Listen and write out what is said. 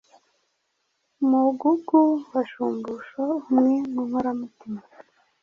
Mugugu wa Shumbusho umwe mu nkoramutima